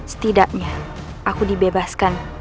setidaknya aku dibebaskan